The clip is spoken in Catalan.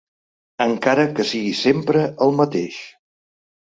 Encara que sigui sempre el mateix.